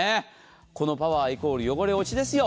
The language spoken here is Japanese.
このパワー＝汚れ落ちですよ。